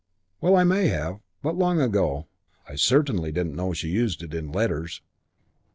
"Well, I may have. But long ago. I certainly didn't know she used it in letters."